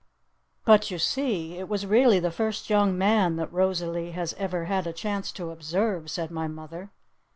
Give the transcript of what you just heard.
"But you see it was really the first young man that Rosalee has ever had a chance to observe," said my mother.